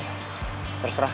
terserah kamu mau ngapain